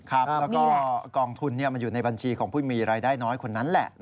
แล้วก็กองทุนมันอยู่ในบัญชีของผู้มีรายได้น้อยคนนั้นแหละ